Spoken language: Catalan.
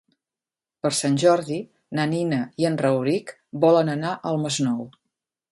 Per Sant Jordi na Nina i en Rauric volen anar al Masnou.